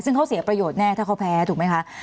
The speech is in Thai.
ซึ่งเขาเสียประโยชน์แน่ถ้าเขาแพ้ถูกไหมคะ